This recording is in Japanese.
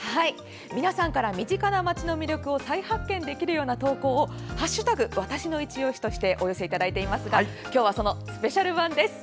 皆さんから身近な街の魅力を再発見できるような投稿を「＃わたしのいちオシ」としてお寄せいただいていますが今日はそのスペシャル版です。